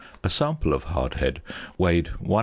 A sample of hardhead weighed 155.